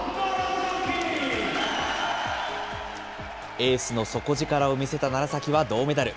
エースの底力を見せた楢崎は銅メダル。